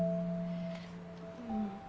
うん。